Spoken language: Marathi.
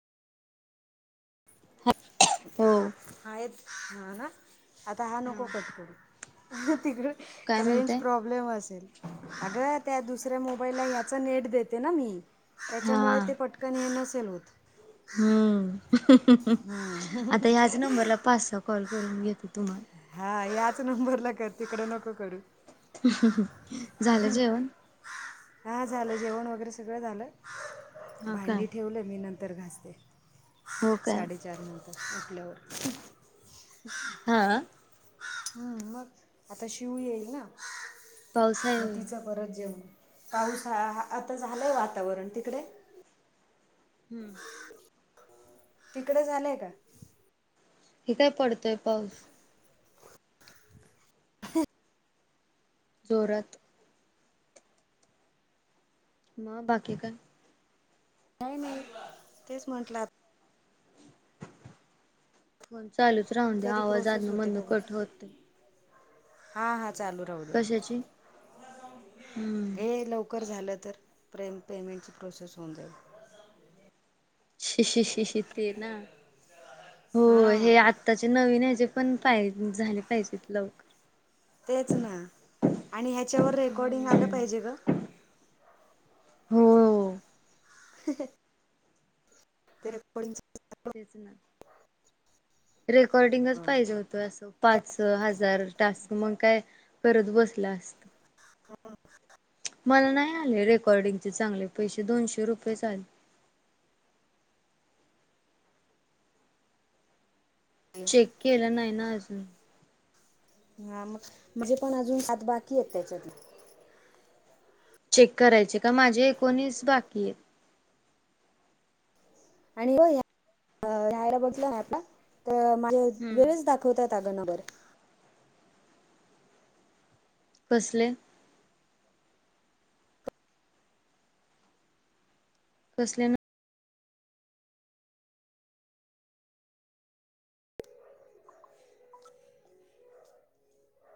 हो हायेत ह ना. आता हा नको कट करू तिकडे काय रेंज म्हणताय? प्रॉब्लेम अग त्या दुसऱ्या मोबाईल ला याचा नेट देते ना मी. हा त्याच्यामुळे ते पटकन हे नसेल होत. हम्म आता हम्म ह्याच नंबरला पाच, सहा कॉल करून घेते तुम्हाला. हा याच नंबरला कर तिकड नको करू. झालं जेवण. हा झालं जेवण वगैरे सगळं झालं हा काय भांडी ठेवलं मी नंतर तर घासते हो काय साडेचार नंतर उठल्यावर. हा. हम्म मग आता शिव येईल ना पाऊस आहे मग होय तिचं परत जेवण पाऊस आता झालं आहे वातावरण तिकडे. हम्म. तिकडे झालंय का. हे काय पडतोय पाऊस. जोरात मग बाकी काय. नाही नाही तेच म्हंटलं आ फोन चालूच राहून दे्या आवाज अधनं मधनं कट होत. हा हा चालू राहू दे कशाची हम्म हे लव कर झालं तर पे पेमेंटची प्रोसेस होऊन जाईल. शि श शि श ते ना, हो हां हे आ. आताचे नवीन ह्याचे पण टायमिंग झाले पाहिजेत लव तेच ना आणि ह्याच्यावर रेकॉर्डिंग आलं हम्म पाहिजे ग. हो. ह [unintelligible] तेच ना. रेकॉर्डिंगच पाहिजे होतं असं पाच हजार. टास्क मग काय करत बसलो असतो. [unintelligible] मला नाही आले रेकॉर्डिंगचे चांगले पैसे दोनशे रुपयेच आले. चेक केल नाही ना अजून. हा मग म्हणजे अजून आात बाकी आहेत त्याच्यातले. चेक करायचे का? माझे एकोणीस बाकी आहेत. आणि हम्म [unintelligible] दाखवतात अग नंबर. कसले? कसले नंबर?